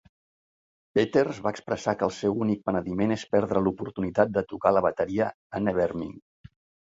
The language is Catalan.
Peters va expressar que el seu únic penediment és perdre l'oportunitat de tocar la bateria a "Nevermind".